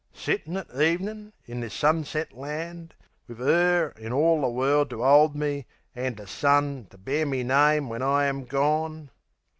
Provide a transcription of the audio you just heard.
Sittin' at ev'nin' in this sunset land, Wiv 'Er in all the World to 'old me 'and, A son, to bear me name when I am gone....